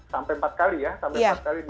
sampai empat kali ya